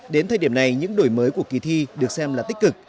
đến thời điểm này những đổi mới của kỳ thi được xem là tích cực